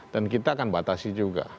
dan kita akan batasi juga